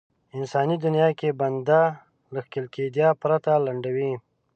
انساني دنيا کې بنده له ښکېلېدا پرته لنډوي.